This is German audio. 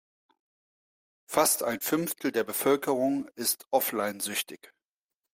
Fast ein Fünftel der Bevölkerung ist offline-süchtig.